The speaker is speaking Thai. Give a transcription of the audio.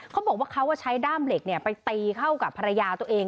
เขาบอกว่าเขาใช้ด้ามเหล็กไปตีเข้ากับภรรยาตัวเอง